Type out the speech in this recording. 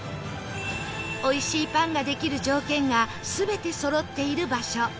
美味しいパンができる条件が全てそろっている場所